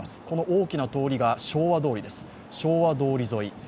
この大きな通りが昭和通りです、昭和通り沿い。